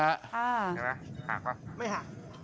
เห็นไหมหักป่ะไม่หัก